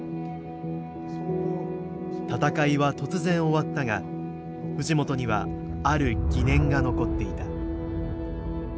闘いは突然終わったが藤本にはある疑念が残っていた。